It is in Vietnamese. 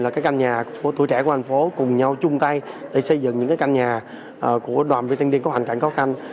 là canh nhà của tuổi trẻ của thành phố cùng nhau chung tay để xây dựng những canh nhà của đoàn viên thanh niên tp hcm